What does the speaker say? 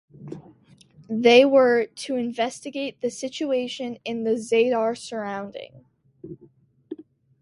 They were to investigate the situation in the Zadar surrounding.